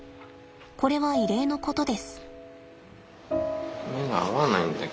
これは異例のことです。